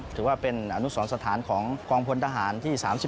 ถือว่าเป็นอนุสรสถานของกองพลทหารที่๓๑